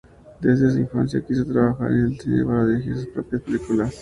Desde su infancia quiso trabajar en el cine para dirigir sus propias películas.